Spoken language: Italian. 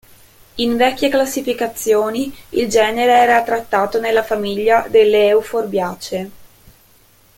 In vecchie classificazioni il genere era trattato nella famiglia delle Euphorbiaceae.